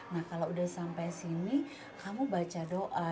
nah kalau udah sampai sini kamu baca doa